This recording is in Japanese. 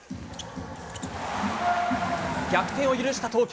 逆転を許した東京。